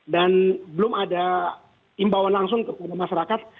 dan belum ada imbauan langsung kepada masyarakat